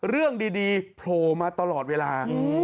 เรื่องดีโผล่มาตลอดเวลา